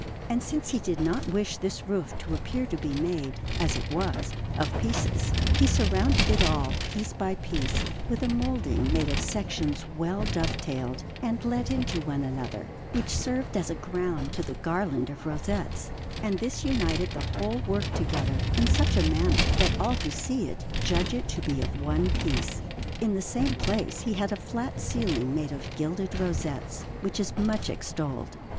And since he did not wish this roof to appear to be made, as it was, of pieces, he surrounded it all, piece by piece, with a moulding made of sections well dove tailed and let into one another, which served as a ground to the garland of rosettes; and this united the whole work together in such a manner that all who see it judge it to be of one piece. In the same place he had a flat ceiling made of gilded rosettes, which is much extolled.